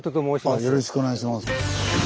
あよろしくお願いします。